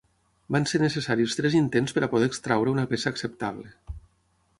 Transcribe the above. Van ser necessaris tres intents per poder extraure una peça acceptable.